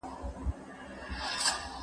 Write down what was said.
چي زما یادیږي دا قلاوي دا سمسور باغونه